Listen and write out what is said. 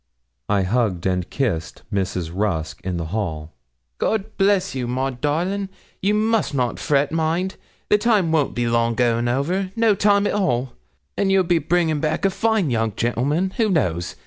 I hugged and kissed Mrs. Rusk in the hall. 'God bless you, Miss Maud, darling. You must not fret; mind, the time won't be long going over no time at all; and you'll be bringing back a fine young gentleman who knows?